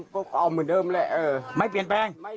พูดเหมือนเดิมคือพูดอะไร